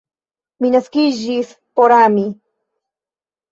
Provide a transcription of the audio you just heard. Mi naskiĝis por ami.